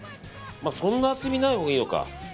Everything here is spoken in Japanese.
そんな厚みないほうがいいのか。